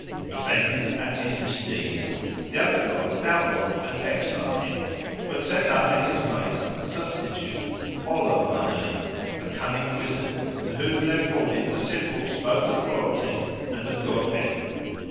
Offended at his misdeeds, the other gods outlawed and exiled him, but set up in his place a substitute, Oller by name, a cunning wizard, to whom they accorded the symbols both of royalty and of godhead.